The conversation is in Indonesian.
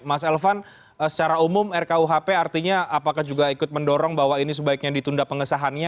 mas elvan secara umum rkuhp artinya apakah juga ikut mendorong bahwa ini sebaiknya ditunda pengesahannya